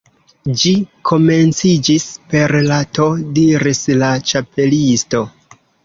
"Ĝi komenciĝis per la T" diris la Ĉapelisto.